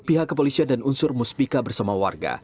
pihak kepolisian dan unsur musbika bersama warga